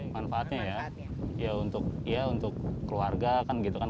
manfaatnya ya untuk keluarga kan gitu kan